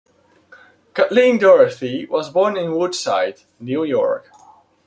Kathleen Dorritie was born in Woodside, New York.